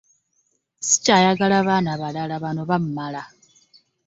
Ssikyayagala baana balala bano bammala.